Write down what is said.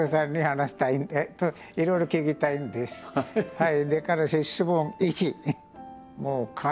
はい。